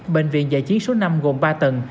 bệnh viện giải chiến số năm gồm ba tầng